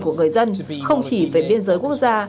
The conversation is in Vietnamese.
của người dân không chỉ về biên giới quốc gia